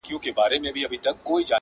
زما په مینه کي دا ټول جهان سوځیږي!!